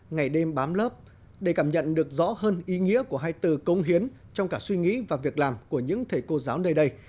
ngày đêm bám lớp để cảm nhận được rõ hơn ý nghĩa của hai từ công hiến trong cả suy nghĩ và việc làm của những thầy cô giáo nơi đây